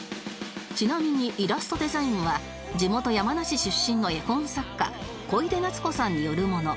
ちなみにイラストデザインは地元山梨出身の絵本作家こいでなつこさんによるもの